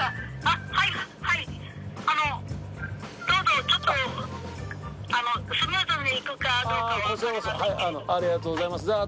あこちらこそありがとうございます。